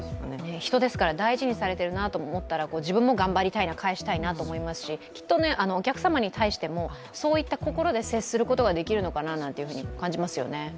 人ですから大事にされているなと思ったら、自分も頑張りたいな、返したいなと思いますし、きっとお客様に対してそういった心で接することができるのかななんて感じますよね。